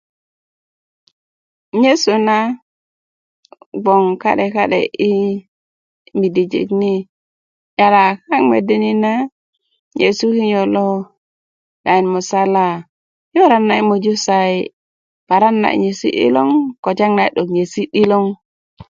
nyesu na bgoŋ ka'de ka'de i midijik ni yala kaŋ mexe ni na yi nyesu kinyo lo daŋin musala i waran nayit na yi moju sayi paran na a yesi 'diloŋ kotiyaŋ na a yi yesi 'diloŋ